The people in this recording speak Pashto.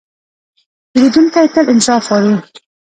پیرودونکی تل انصاف غواړي.